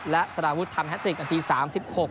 และสารวุฒิทำแฮทริกนาที๓๖